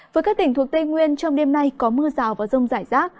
với các tỉnh thuộc tây nguyên trong đêm nay có mưa rào và rông rải rác